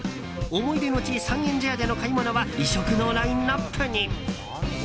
思い出の地、三軒茶屋での買い物は異色のラインアップに。